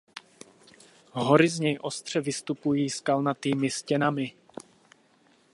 Hory z něj ostře vystupují skalnatými stěnami.